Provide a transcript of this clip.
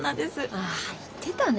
あ言ってたね。